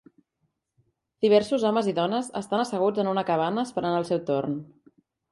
Diversos homes i dones estan asseguts en una cabana esperant el seu torn.